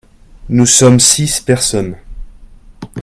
Nous sommes six personnes.